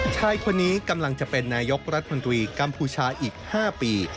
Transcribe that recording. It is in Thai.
ชายคนนี้กำลังจะเป็นนายกรัฐมนตรีกัมพูชาอีก๕ปี